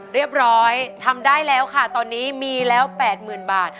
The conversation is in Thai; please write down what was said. เรียบร้อยทำได้แล้วค่ะตอนนี้มีแล้ว๘๐๐๐บาท